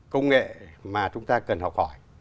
công nghệ mà chúng ta cần học hỏi